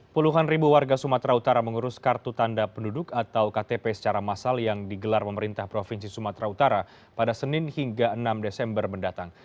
puluhan ribu warga sumatera utara mengurus kartu tanda penduduk atau ktp secara massal yang digelar pemerintah provinsi sumatera utara pada senin hingga enam desember mendatang